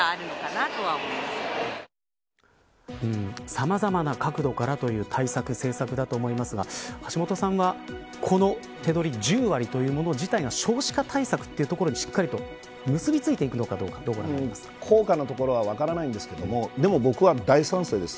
さまざまな角度から、という対策、政策だと思いますが橋下さんは、この手取り１０割というもの自体が少子化対策というところにしっかりと効果のところは分かりませんがでも、僕は大賛成です。